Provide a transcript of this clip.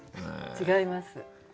違います？